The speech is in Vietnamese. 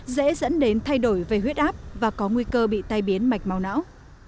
dễ dẫn đến thay đổi về huyết áp và có nguy cơ bị tai biến mạch màu não